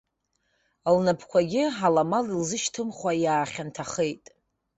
Лнапқәагьы аламала илзышьҭымхуа иаахьанҭахеит.